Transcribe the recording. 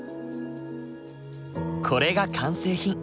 これが完成品。